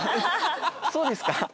そうですか？